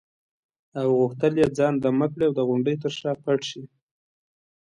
او غوښتل یې ځان دمه کړي او د غونډې تر شا پټ شي.